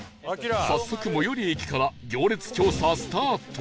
早速最寄り駅から行列調査スタート